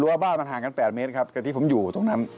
ว่าบ้านมันห่างกัน๘เมตรครับกับที่ผมอยู่ตรงนั้น